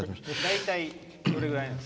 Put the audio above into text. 大体、どれぐらい？